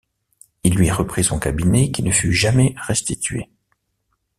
Il lui reprit son cabinet qui ne fut jamais restitué.